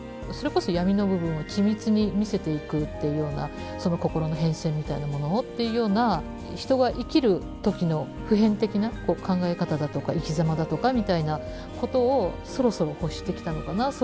それこそ闇の部分を緻密に見せていくっていうようなその心の変遷みたいなものをっていうような人が生きる時の普遍的な考え方だとか生きざまだとかみたいなことをそろそろ欲してきたのかな。